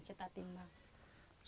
sudah sudah berapa